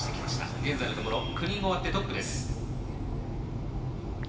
現在のところ９人が終わってトップです。